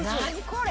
これ。